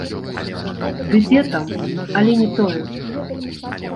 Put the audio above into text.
Ды дзе там, але не тое.